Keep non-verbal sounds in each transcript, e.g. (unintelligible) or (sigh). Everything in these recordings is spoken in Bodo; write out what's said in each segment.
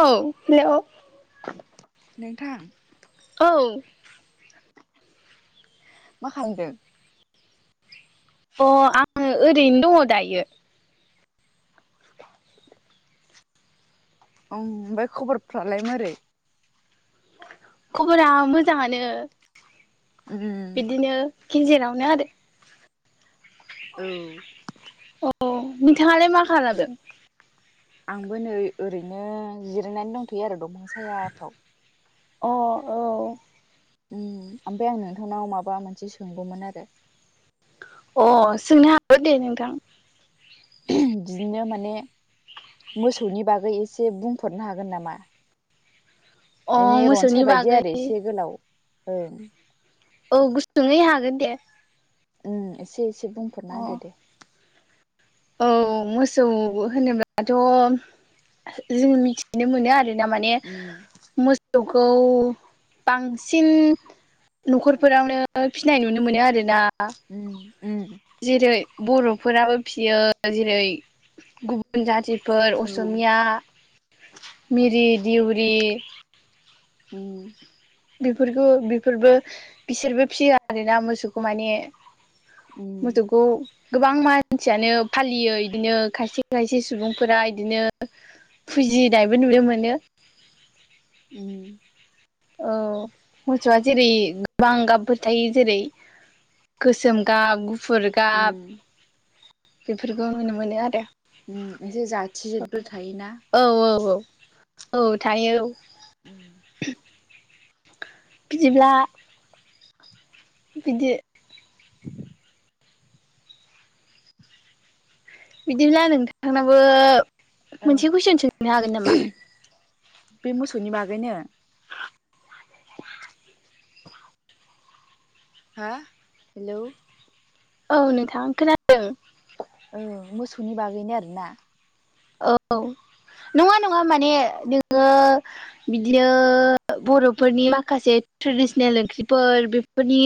औ हेल' नोंथां औ मा खालामदों अ आङो ओरैनो दङ दायो (inaudible) ओमफ्राय खबरफ्रालाय माबोरै खबरा मोजाङानो उम बिदिनो गेजेरावनो आरो औ अ नोंथाङा लाय मा खालामदों आंबो नै ओरैनो जिरायनानै दंथ'यो आरो दंफां सायाफ्राव अ औ ओमफ्राय आं नोंथांनाव माबा मोनसे सोंगौमोन आरो अ सोंनो हागौ दे नोंथां बिदिनो माने मोसौनि बागै एसे बुंफोररनो हागोन नामा अ बेै मोसौनि रनसाय बायदि बागै आरो एसे गोलाव ओं औ गुसुङै हागोन दे उम एसे एसे अ बुंफोरना होदो दे औ मोसौ होनोब्लाथ' जों मिथिनो मोनो आरो दा माने उम मोसौखौ बांसिन न'खरफोरावनो फिनाय नुनो मोनो आरो ना उम उम जेरै बर'फोराबो फियो जेरै गुबुन जाथि बे फोर औ असमिया मिरि दिउरि उम बेफोरखौ बेफोरबो बिसोरबो फिया आरोना मोसौखौ माने उम मथौ खौ गोबां मानसियानो फालियो इदिनो खायसे खायसे सुबुंफोरा इदिनो फुजिनायबो नुनो मोनो उम औ मोसौआ जेरै गोबां गाबफोर थायो जेरै गोसोम गाब गुफुर गाब उम बेफोरखौ नुनो मोनो आरो एसे जाथि जेदबो थायोना औ औ औ औ थायो (inaudible) बिदिब्ला बिदि (inaudible) बिदिब्ला नोंथांनाबो ओं मोनसे कुइसन सोंनो हागोन नामा? बे मोसौनि बागैनो हा हेलौ औ नोंथां खोनादों। ओ मोसौनि बागैनो आरोना? औ नङा नङा माने नोङो बिदिनो बर'फोरनि माखासे ट्रेडिसनेल ओंख्रिफोर बेफोरनि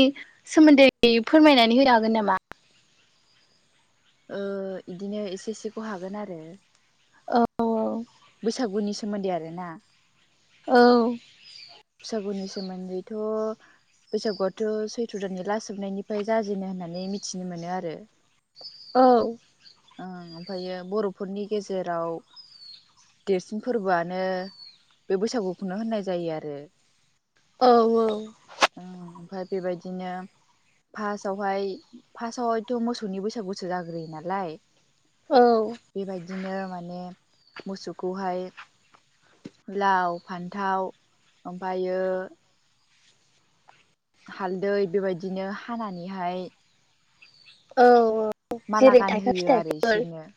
सोमोन्दै फोरमायनानै होनो हागोन नामा? ओ इदिनो एसे एसेखौ हागोन आरो औ औ बैसागुनि सोमोन्दै आरो ना औ बैसागुनि सोमोन्दैथ' बैसागुआथ' सैथ्र' दाननि लास जोबनायनिफ्राय जाजेनो होननानै मिथिनो मोनो आरो औ ओं ओमफायो बर'फोरनि गेजेराव देरसिन फोरबोआनो बे बैसागुखौनो होननाय जायो आरो औ औ ओं ओमफाय बेबायदिनो फास्स्टआवहाय फास्स्टआवहायथ' मोसौनि बैसागुसो जाग्रोयो नालाय औ बिबायदिनो माने मोसौखौहाय लाव फान्थाव ओमफायो हालदै बेबायदिनो हानानैहाय औ औ माला जेरै थाइखा गानहोयो आरो फिथाइफोर इसोरनो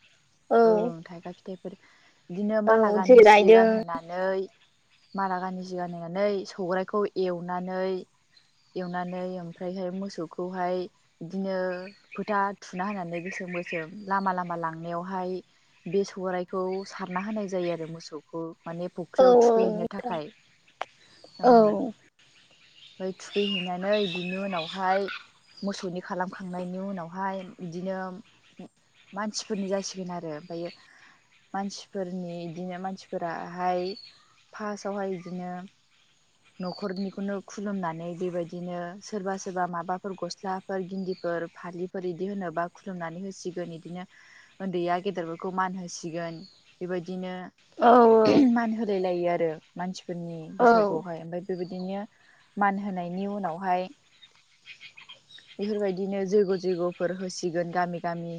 औ ओं थाइखा फिथाइफोर इदिनो औ माला गानहो जेरै सि रायदों गानहोना नानै माला गानोसे गानहोनानै सौरायखौ एवनानै एवनानै ओमफ्रायहाय मोसौखौहाय इदिनो फोथा थुना होनानै गोसोम गोसोम लामा लामा लांनायावहाय बे सौराइखौ सारना होनाय जायो आरो मोसौ (unintelligible) माने औ फुख्रियाव थुखैहैनो थाखाय औ ओं ओमफाय थुखैहैनानै बिनि उनावहाय मोसौनि खालामखांनायनि उनावहाय इदिनो मानसिफोरनि जासिगोन आरो ओमफायो मानसिफोरनि इदिनो मानसिफोराहाय फासावहाय इदिनो न'खरनिखौनो खुलुमनानै बेबायदिनो सोरबा सोरबा माबाफोर गस्लाफोर गिन्दिफोर फालिफोर इदि होनोबा खुलुमनानै होसिगोन इदिनो ओन्दैया गेदेरफोरखौ मान होसिगोन बेबायदिनो औ मान होलाय लायो आरो मानसिफोरनि औ बैसागु ओमफाय बेबायदिनो मान होनायनि उनावहाय बेफोरबायदिनो जैग' जयग'फोर होसिगोन गामि गामि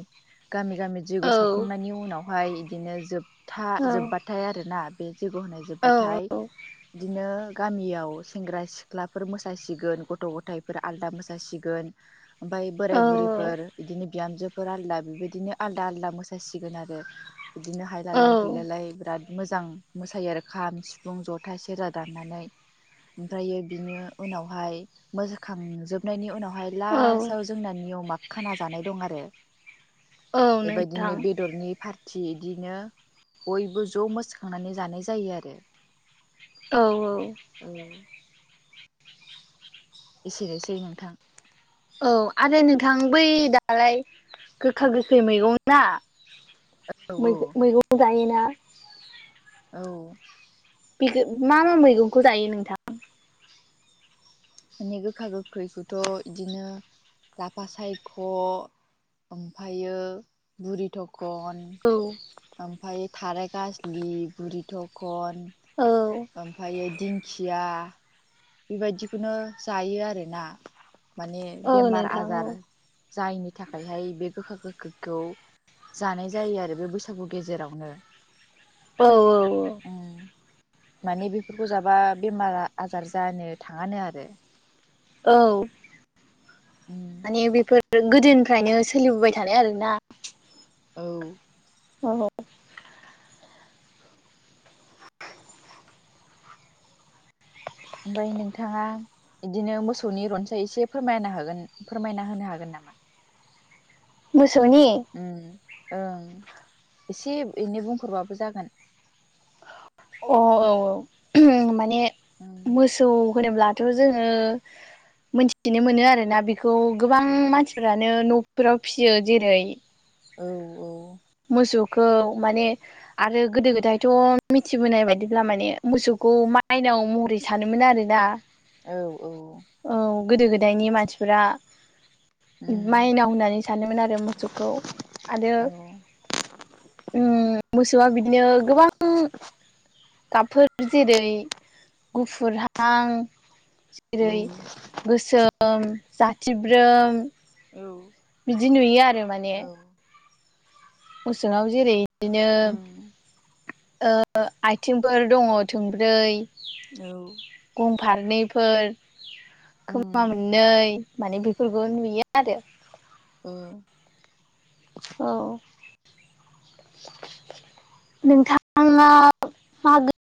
गामि गामि जैग औ सावखांनायनि उनावहाय इदिनो जोबथा जोब्बाथाय आरो ना बे जैग होनाय जोबथाय औ इदिनो गामियाव सेंग्रा सिख्लाफोर मोसासिगोन गथ' गथायफोर आलदा मोसासिगोन। ओमफ्राय बोराय बुरैफोर बिदिनो बिहामजोफोर आलदा बेबायदिनो आलदा आलदा मोसासिगोन आरो। बिदिनो हायलालाय औ हुइलालाय बिराद मोजां मोसायो आरो खाम सिफुं जथा सेरजा दा नानै ओमफ्रायो बिनि उनावहाय मोनखांजोबनायनि उनावहाय औ लासाव जोंना नियमा खाना जानाय दं आरो। औ नोंथां बेबायदिनो बेदरनि फार थि इदिनो बयबो ज' मोसाखांनानै जानाय जायो आरो। औ औ। औ। एसेनोसै नोंथां। औ आरो नोंथां बै दालाय गोखा गोखै मैगं ना औ मैगं मैगं जायोना। औ। (unintelligible) मा मा मैगं'खौ जायो नोंथां? माने गोखा गोखैखौथ' बिदिनो लाफा सायख' ओमफ्रायो बुरि थखन औ। ओमफ्राय थाराय गाजलि, बुरि थखन औ ओम ओमफायो दिंखिया बेबायदिखौनो जायो आरोना माने औ बेमार नोंथां आजार औ जायनि थाखायहाय बे गोखा गोखैखौ जानाय जायो आरो बे बैसागु गेजेरावनो। औ औ। उम माने बेफोरखौ जाबा बेमार आजार जानो थाङानो आरो। औ। उम माने बेफोरो गोदोनिफ्रायनो सोलिबोबाय थानाय आरोना। औ। ह ह। ओमफ्राय नोंथाङा बिदिनो मोसौनि रनसाय एसे फोरमायनो हागोन फोरमायना होनो हागोन नामा? मोसौनि! उम ओं एसे एनै बुंफोरबाबो जागोन। अ औ औ (unintelligible) माने उम मोसौ होनोब्लाथ' जोङो मोनथिनो मोनो आरोना बेखौ गोबां मानसिफ्रानो न'फोराव फियो जेरै औ औ। मोसौखौ माने आरो गोदो गोदायथ' मिथिबोनाय बायदिब्ला माने मोसौखौ माइनाव महरै सानोमोन आरोना। औ औ। औ गोदो गोदायनि मानसिफोरा उम माइनाव होननानै सानोमोन आरो मोसौखौ आरो औ उम मोसौआ बिदिनो गोबां गाबफोर जेरै गुफुरहां जेरै उम गोसोम जाथिब्रोम औ। बिदि नुयो आरो माने। मोसौआव जेरै बिदिनो उम ओ ओ आथिंफोर दङ' थोंब्रै। औ। गं फारनैफोर, खोमा उम मोननै। माने बेफोरखौ नुयो आरो। ओहो। औ। (inaudible) नोंथाङ मा मागो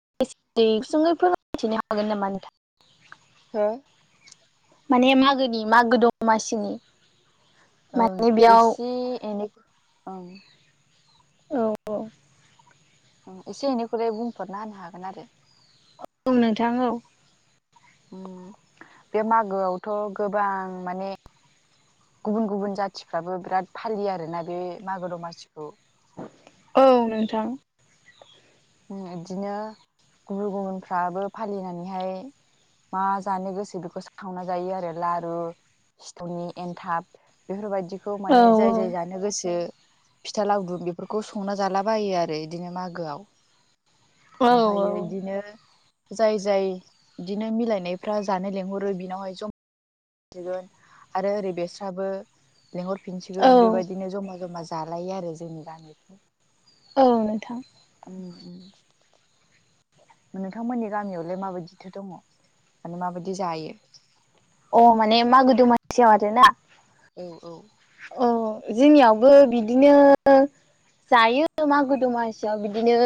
सोमोन्दै (unintelligible) मिथिनो हागोन नामा नोंथां? हो? माने मागोनि मागो दमासिनि। ओं माने बेयाव एसे एनै ओं औ औ। एसे एनैखौलाय बुंफोरना होनो हागोन आरो। नोंथां औ उम बे मागोआवथ' गोबां माने गुबुन गुबुन जाथिफ्राबो बिराद फालियो आरोना बे मागो दमासिखौ। औ नोंथां। उम बिदिनो गुबुन गुबुनफ्राबो फालिनानैहाय मा जानो गोसो बेखौ सावना जायो आरो लारु सिथावनि एनथाब बेफोरबायदिखौ औ माने जाय जाय जानो गोसो फिथा लावदुम बेफोरखौ संना जालाबायो आरो बिदिनो मागोआव। औ ओमफ्रायो बिदिनो जाय जाय बिदिनो मिलायनायफ्रा जानो लेंहरो बिनावहाय ज आरो ओरै बेस्राबो औ लिंहरफिनसिगोन बेबायदिनो जमा जमा जालायो आरो जोंनि गामिफ्राव। औ नोंथां। (unintelligible) नोंथांमोननि गामियावलाय माबायदिथो दङ? माने माबायदि जायो? अ माने मागो दमासियाव आरो ना। औ औ अ जोंनियावबो बिदिनो जायो मागो दमासियाव बिदिनो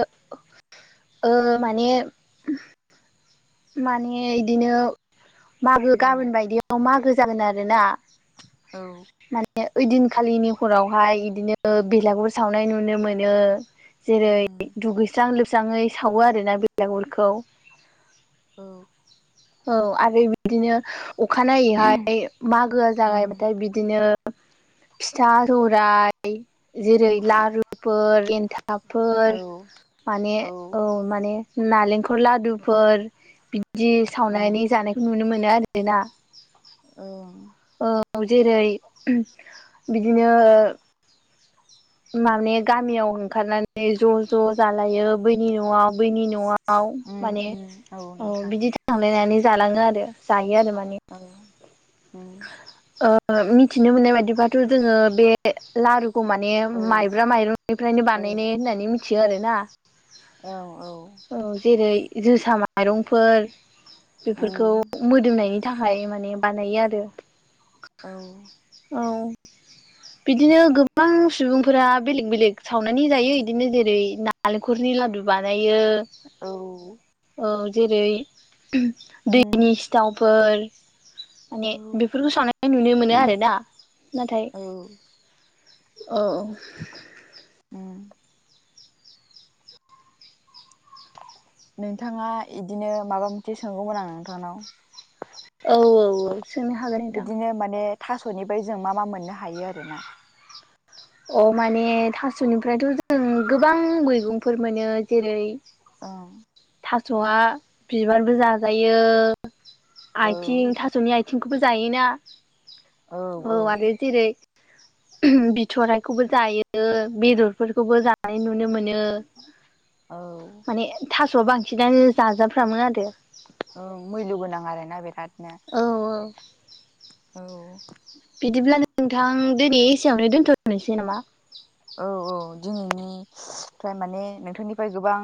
ओ माने माने बिदिनो मागो गाबोन बायदियाव मागो जागोन आरोना। औ। माने ओइदिनखालिनि हरावहाय बिदिनो बेलागुर सावनाय नुनो मोनो। जेरै दुगैस्रां लोबस्राङै सावो आरो ना बेलागुरखौ। औ। औ आरो बिदिनो अखानायैहाय मागोआ जागायबाथाय बिदिनो (unintelligible) फिथा रराय जेरै लारुफोर एनथाबफोर औ माने औ। माने नालेंखल लादुफोर बिदि सावनानै जानायखौ नुनो मोनो आरो। (unintelligible) औ। औ जेरै बिदिनो माने गामियाव ओंखारनानै ज' ज' जालायो बैनि न'आव बैनि न'आव माने औ नोंथां बिदि थांलायनानै जालाङो आरो जायो आरो माने। (unintelligible) ओ मिथिनो मोननाय बाददिबाथ' जोङो बे लारु खौ माने औ माइब्रा माइरंनिफ्रायनो बानायनाय होननानै मिथियो आरोना। औ औ। औ जेरै जोसा माइरंफोर बेफोरखौ मोदोमनायनि थाखाय माने बानायो आरो। औ। औ। बिदिनो गोबां सुबुंफोरा बेलेग बेलेग सावनानै जायो इदिनो जेरै ना नालेखरनि लादु बानायो। औ। औ जेरै औ दैनि सिथावफोर माने औ बेफोरखौ सावनाय नुनो मोनो आरोना नाथाय औ। औ। उम। नोंथाङा इदिनो माबा मोनसे सोंगौमोन आं नोंथांनाव। औ औ औ। सोंनो हागोन। नोंथां बिदिनो माने थास'निफ्राय जों मा मा मोननो हायो आरोना। अ माने थास'निफ्रायथ' जों गोबां मैगंफोर मोनो जेरै ओं। थास'आ बिबारबो जाजायो औ आथिं थास'नि आथिं बिखौबो जायोना औ आरो जेरै बि थराइखौबो जायो बेदरफोरखौबो जानाय नुनो मोनो। औ। माने थास'आ बांसिनानो जाजाफ्रामोन आरो। औ मैल' गोनां आरो ना बिरादनो। औ औ। औ। बिदिब्ला नोंथां दिनै एसेयावनो दोन्थ'नोसै नामा? औ औ दिनैनिफ्राय माने नोंथांनिफ्राय गोबां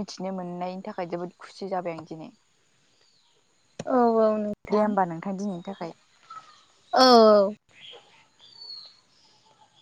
मिथिनो मोननायनि थाखाय जोबोद खुसि जाबाय आं दिनै औ औ दे नोंथां होमबा नोंथां दिनैनि थाखाय। औ।